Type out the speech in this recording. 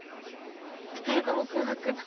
２人とも空白って。